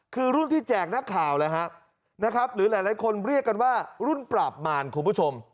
คือรุ่นที่แจกนักข่าวเลยครับนะครับหรือหลายคนเรียกกันว่ารุ่นปราบมารคุณผู้ชม